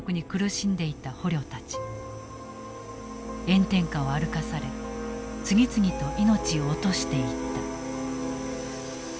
炎天下を歩かされ次々と命を落としていった。